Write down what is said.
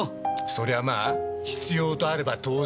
そりゃまぁ必要とあらば当然！